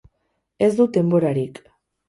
Ez dut denborarik.